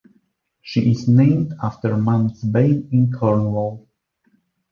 She is named after Mount's Bay in Cornwall.